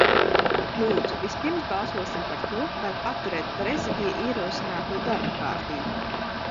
Lūdzu, vispirms balsosim par to, vai paturēt Prezidija ierosināto darba kārtību.